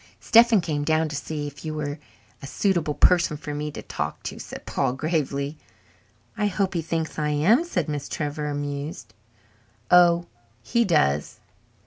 "Stephen came down to see if you were a suitable person for me to talk to," said Paul gravely. "I hope he thinks I am," said Miss Trevor, amused. "Oh, he does!